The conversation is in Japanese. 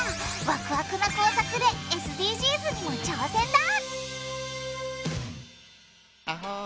ワクワクな工作でＳＤＧｓにも挑戦だ！